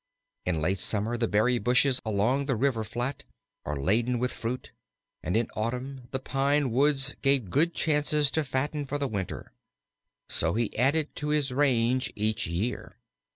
In late summer the berry bushes along the river flat are laden with fruit, and in autumn the pine woods gave good chances to fatten for the winter. So he added to his range each year.